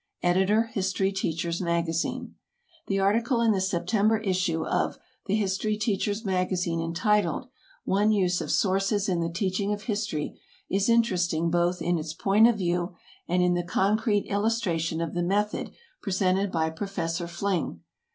Editor HISTORY TEACHER'S MAGAZINE: The article in the September issue of THE HISTORY TEACHER'S MAGAZINE entitled "One Use of Sources in the Teaching of History" is interesting both in its point of view and in the concrete illustration of the method presented by Professor Fling.